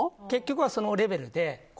結局はそのレベルで。